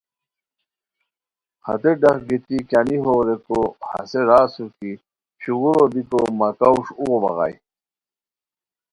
ہتے ڈاق گیتی کیانی ہو ریکو ہسے را اسور کی شوغورو بیکو مہ کاوݰ اوغو بغائے